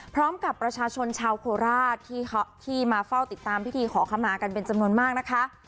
พร้อมกับประชาชนชาวโคราชที่มาเฝ้าติดตามพิธีขอขมากันเป็นจำนวนมากนะคะ